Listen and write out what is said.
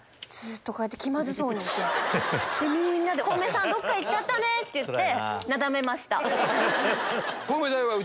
みんなで「コウメさんどっか行っちゃったね」って言ってなだめました。